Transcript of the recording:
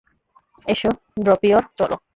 এসো ড্রপিয়র, চলো!